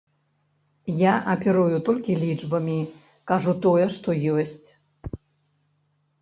Я аперую толькі лічбамі, кажу тое, што ёсць.